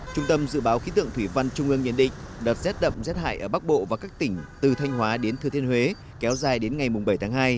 trung tâm dự báo khí tượng thủy văn trung ương nhận định đợt rét đậm rét hại ở bắc bộ và các tỉnh từ thanh hóa đến thừa thiên huế kéo dài đến ngày bảy tháng hai